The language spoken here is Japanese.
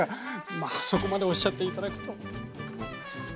まあそこまでおっしゃって頂くとは。